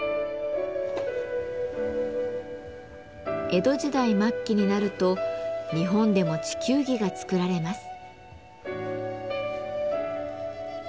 江戸時代末期になると日本でも地球儀が作られます。